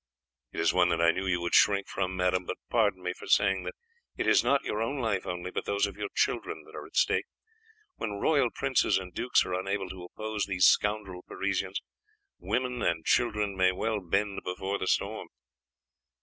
"It is one that I knew you would shrink from, madame; but pardon me for saying that it is not your own life only, but those of your children that are at stake. When royal princes and dukes are unable to oppose these scoundrel Parisians, women and children may well bend before the storm."